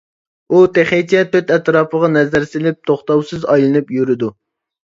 ئۇ، تېخىچە تۆت ئەتراپىغا نەزەر سېلىپ توختاۋسىز ئايلىنىپ يۈرىدۇ.